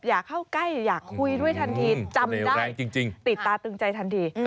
อยากเข้าใกล้อยากคุยด้วยทันทีจำได้ติดตาตึงใจทันที